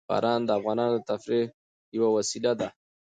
باران د افغانانو د تفریح یوه وسیله ده.